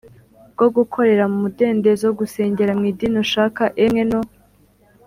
bwo gukorera mu mudendezo, gusengera mu idini ushaka, emwe no